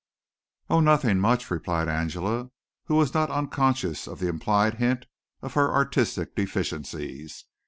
"Oh, nothing much," replied Angela, who was not unconscious of the implied hint of her artistic deficiencies.